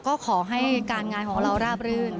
ก็ขอให้การงานของเราราบรื่น